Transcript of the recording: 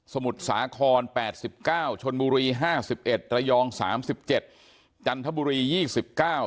สมุทรสาคร๘๙รายชนบุรี๕๑รายระยอง๓๗รายจันทบุรี๒๙ราย